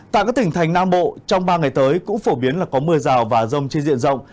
tại các tỉnh thành nam bộ trong ba ngày tới cũng phổ biến là có mưa rào và rông trên diện rộng